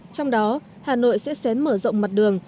trong đó hà nội sẽ xén mở rộng mặt đường